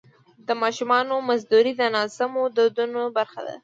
د ماشومانو مزدوري د ناسمو دودونو برخه ده.